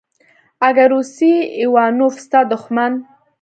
اگه روسی ايوانوف ستا دښمن.